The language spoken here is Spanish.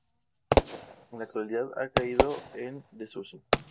En la actualidad ha caído en desuso.